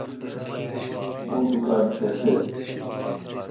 اوں دکان کسے°